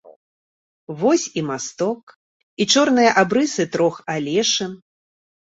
Вось і масток, і чорныя абрысы трох алешын.